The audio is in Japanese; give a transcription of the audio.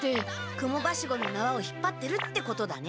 蜘蛛梯子のなわを引っぱってるってことだね。